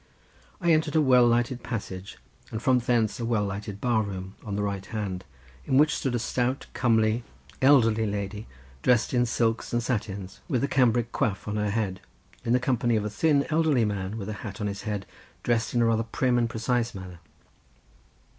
I entered a well lighted passage and from thence a well lighted bar room, on the right hand, in which sat a stout, comely, elderly lady dressed in silks and satins, with a cambric coif on her head, in company with a thin, elderly man with a hat on his head, dressed in a rather prim and precise manner.